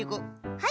はい！